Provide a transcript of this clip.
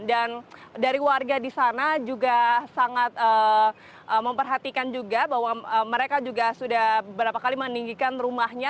dan dari warga di sana juga sangat memperhatikan juga bahwa mereka juga sudah beberapa kali meninggikan rumahnya